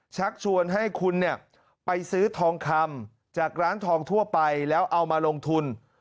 ชักชวนให้คุณเนี่ยไปซื้อทองคำจากร้านทองทั่วไปแล้วเอามาลงทุน